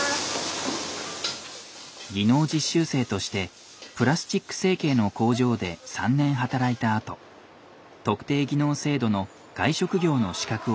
技能実習生としてプラスチック成形の工場で３年働いたあと特定技能制度の外食業の資格を取って就職。